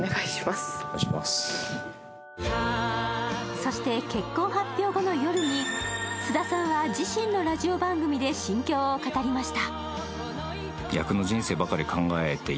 そして結婚発表後の夜に、菅田さんは自身のラジオ番組で心境を語りました。